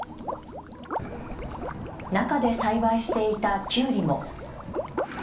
中で栽培していたきゅうりも。